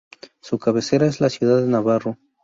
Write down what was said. Su cabecera es la ciudad de Navarro.